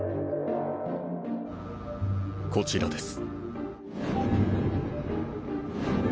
こちらです。